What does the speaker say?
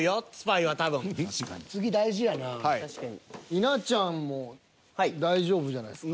稲ちゃんも大丈夫じゃないすか？